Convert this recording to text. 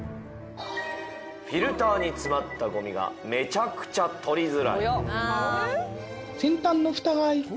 フィルターに詰まったゴミがめちゃくちゃ取りづらい。